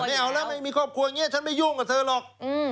ไม่เอาแล้วไม่มีครอบครัวอย่างนี้ฉันไม่ยุ่งกับเธอหรอก